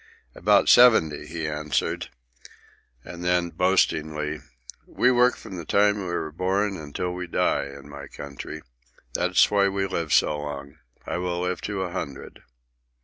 "About seventy," he answered. And then, boastingly, "We work from the time we are born until we die, in my country. That's why we live so long. I will live to a hundred."